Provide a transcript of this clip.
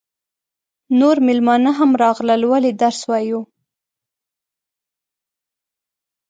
نور مېلمانه هم راغلل ولې درس وایو.